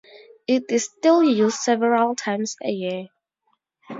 It is still used several times a year.